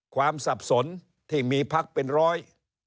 สับสนที่มีพักเป็นร้อย